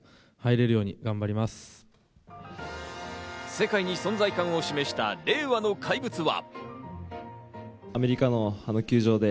世界に存在感を示した令和の怪物は。